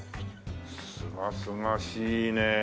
すがすがしいね。